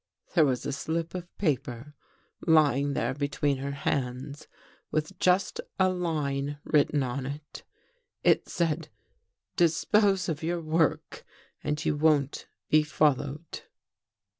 There was a slip of paper lying there be tween her hands with just a line written on it. It said, ' Dispose of your work and you won't be fol lowed.